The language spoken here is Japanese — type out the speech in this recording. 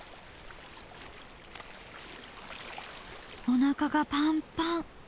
おなかがパンパン。